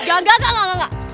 gak gak gak gak